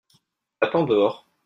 Attends dehors.